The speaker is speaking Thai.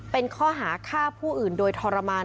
เป็นข้อหาฆ่าผู้อื่นโดยทรมาน